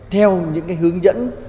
theo những hướng dẫn